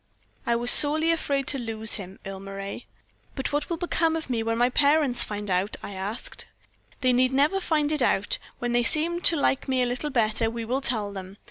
"I was sorely afraid to lose him, Earle Moray. "'But what will become of me when my parents find it out?' I asked. "'They need never find it out. When they seem to like me a little better, we will tell them.